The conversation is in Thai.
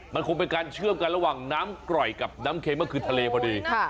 มันคงเป็นการเชื่อมกันระหว่างน้ำกร่อยกับน้ำเค็มก็คือทะเลพอดี